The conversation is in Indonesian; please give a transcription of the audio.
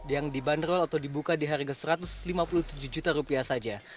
yang dibanderol atau dibuka di harga satu ratus lima puluh tujuh juta rupiah saja